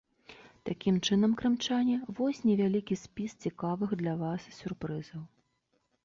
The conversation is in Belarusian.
Такім чынам, крымчане, вось невялікі спіс цікавых для вас сюрпрызаў.